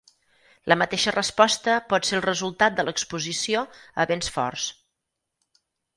La mateixa resposta pot ser el resultat de l'exposició a vents forts.